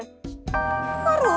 salah wa'alaikum sona